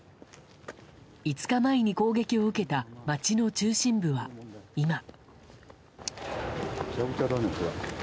５日前に攻撃を受けた街の中心部は今。